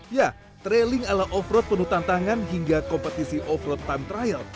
ya trailing ala off road penuh tantangan hingga kompetisi off road time trial